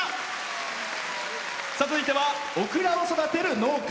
続いてはオクラを育てる農家。